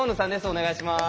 お願いします。